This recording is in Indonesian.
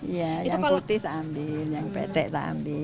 iya yang putih saya ambil yang bete saya ambil